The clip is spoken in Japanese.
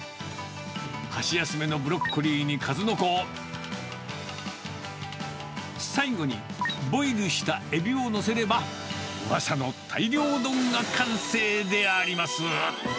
箸休めのブロッコリーに数の子、最後にボイルしたエビを載せれば、うわさの大漁丼が完成であります。